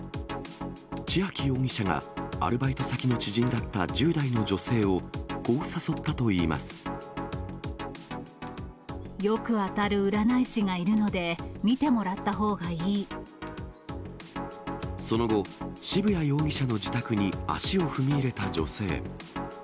千秋容疑者が、アルバイト先の知人だった１０代の女性を、こう誘よく当たる占い師がいるので、その後、渋谷容疑者の自宅に足を踏み入れた女性。